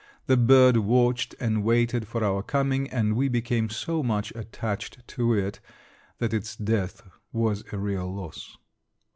The bird watched and waited for our coming and we became so much attached to it that its death was a real loss.